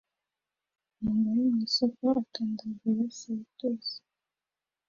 Umugore mwisoko atondagura salitusi